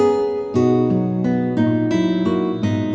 aku akan bukan bantuin tahuku ini